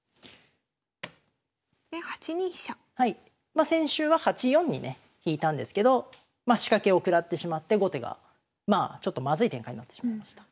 まあ先週は８四にね引いたんですけどまあ仕掛けを食らってしまって後手がまあちょっとまずい展開になってしまいました。